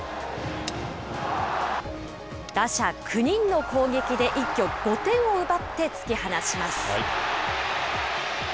打者９人の攻撃で、一挙５点を奪って突き放します。